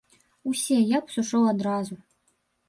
Усе, я б сышоў адразу.